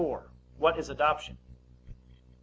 What is adoption? A.